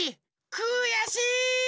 くやしい！